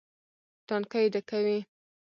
ټانکۍ ډکوي.